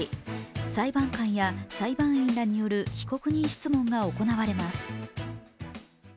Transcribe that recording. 裁判官や裁判員らによる被告人質問が行われます。